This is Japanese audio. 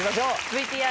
ＶＴＲ。